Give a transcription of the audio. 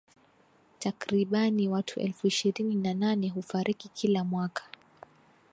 Takribani watu elfu ishirini na nane hufariki kila mwaka